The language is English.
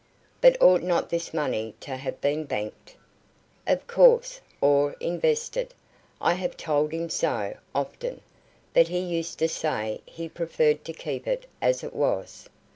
"But ought not this money to have been banked?" "Of course or invested. I have told him so, often; but he used to say he preferred to keep it as it was.